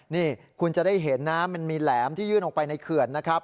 นี่คุณจะได้เห็นนะมันมีแหลมที่ยื่นออกไปในเขื่อนนะครับ